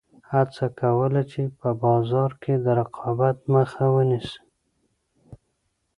هڅه کوله چې په بازار کې د رقابت مخه ونیسي.